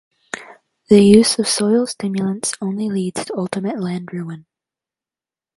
The use of soil stimulants only leads to ultimate land ruin.